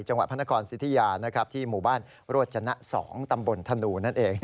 จังหวัดพระนครสิทธิยาที่หมู่บ้านโรจนะ๒ตำบลธนูนั่นเอง